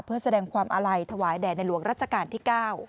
เพื่อแสดงความอาลัยถวายแด่ในหลวงรัชกาลที่๙